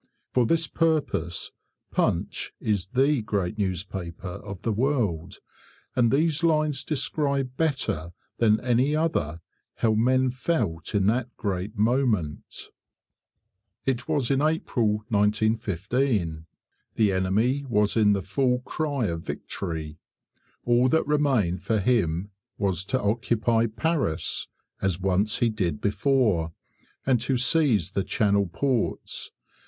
For this purpose 'Punch' is the great newspaper of the world, and these lines describe better than any other how men felt in that great moment. It was in April, 1915. The enemy was in the full cry of victory. All that remained for him was to occupy Paris, as once he did before, and to seize the Channel ports.